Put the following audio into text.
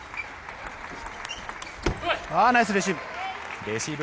ナイスレシーブ！